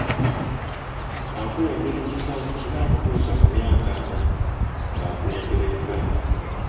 Akulembere ekisanja ekinaamutuusa ku myaka ana ng'akulembera Uganda.